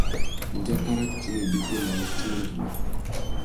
Ndjaka râ tsumu i bétēnamú tsumu ngüimá.